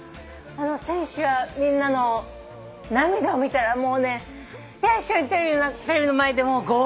選手やみんなの涙を見たらもうね一緒にテレビの前で号泣ですよ。